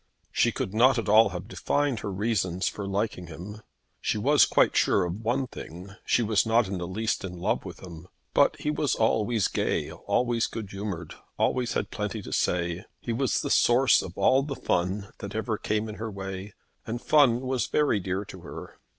She could not at all have defined her reasons for liking him. She was quite sure of one thing, she was not in the least in love with him. But he was always gay, always good humoured, always had plenty to say. He was the source of all the fun that ever came in her way; and fun was very dear to her.